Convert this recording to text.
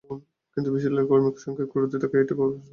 কিন্তু বিলের ক্রমিক সংখ্যায় ত্রুটি থাকায় এটি আবার পাস করাতে হবে।